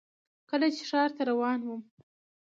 کله چې ښار ته روان وم .